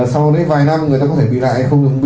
sau đấy vài năm người ta có thể bị lại hay không được